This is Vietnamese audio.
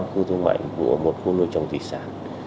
khu thương mại của một khu nuôi trồng thủy sản